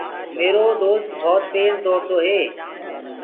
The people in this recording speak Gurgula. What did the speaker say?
ميرو دوست ڀوت تيج دوڙ دو هي۔